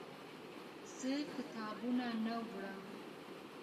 زه کتابونه نه وړم!